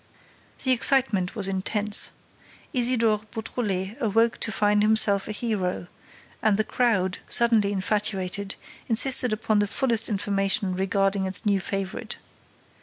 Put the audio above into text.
The excitement was intense. Isidore Beautrelet awoke to find himself a hero; and the crowd, suddenly infatuated, insisted upon the fullest information regarding its new favorite.